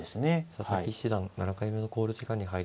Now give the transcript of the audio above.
佐々木七段７回目の考慮時間に入りました。